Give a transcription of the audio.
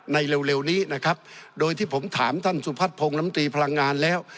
เร็วเร็วนี้นะครับโดยที่ผมถามท่านสุพัฒนพงศ์ลำตีพลังงานแล้ว